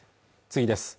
次です